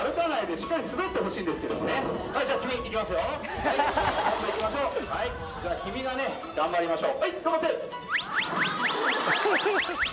じゃあキミが頑張りましょう。